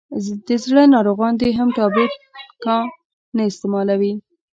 دزړه ناروغان دي هم ټابلیټ کا نه استعمالوي.